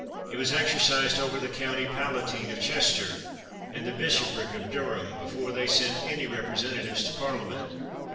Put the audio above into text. It was exercised over the county pala tine of Chester, and the bishopric of Durham, before they sent any representatives to Parlia ment.